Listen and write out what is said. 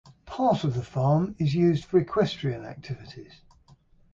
Part of the farm is used for equestrian activities.